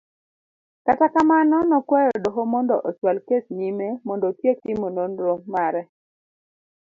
Kata kamano nokwayo doho mondo ochwal kes nyime mondo otiek timo nonro mare.